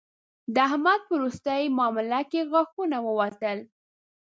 د احمد په روستۍ مامله کې غاښونه ووتل